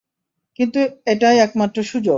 কিন্তু এটাই একমাত্র সুযোগ।